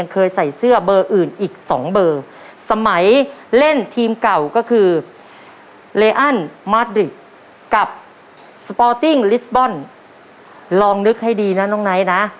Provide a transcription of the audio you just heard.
กับสปอร์ตติ้งลิสบอลลองนึกให้ดีนะน้องไนท์น่ะ